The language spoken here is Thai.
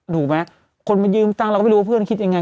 ถูกไหมคนมายืมตังค์เราก็ไม่รู้ว่าเพื่อนคิดยังไง